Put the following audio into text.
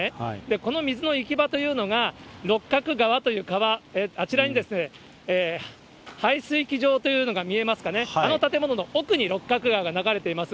この水の行き場というのが、六角川という川、あちらに排水機場というのが見えますかね、あの建物の奥に六角川が流れています。